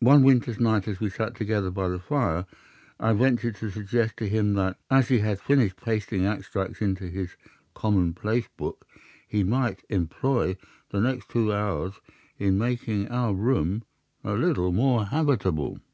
One winter's night, as we sat together by the fire, I ventured to suggest to him that, as he had finished pasting extracts into his common place book, he might employ the next two hours in making our room a little more habitable.